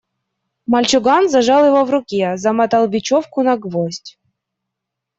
Мальчуган зажал его в руке, замотал бечевку на гвоздь.